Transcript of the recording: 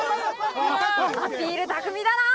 アピール巧みだな。